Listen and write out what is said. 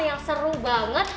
yang seru banget